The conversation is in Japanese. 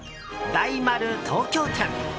大丸東京店。